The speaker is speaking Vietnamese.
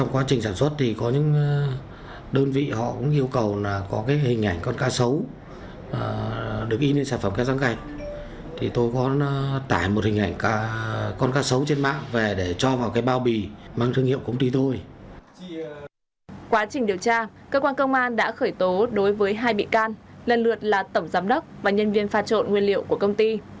quá trình điều tra cơ quan công an đã khởi tố đối với hai bị can lần lượt là tổng giám đốc và nhân viên pha trộn nguyên liệu của công ty